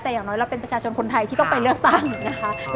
แต่อย่างน้อยเราเป็นประชาชนคนไทยที่ต้องไปเลือกตั้งนะคะ